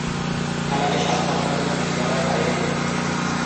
খেলাটি সাধারণত দিনের বেলায় বাইরে হয়ে থাকে।